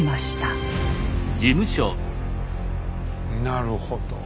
なるほど。